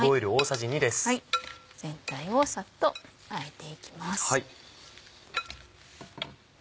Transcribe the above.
全体をサッとあえていきます。